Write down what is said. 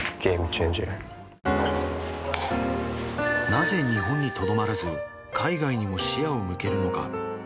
なぜ日本にとどまらず海外にも視野を向けるのか